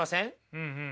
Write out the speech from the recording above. うんうん。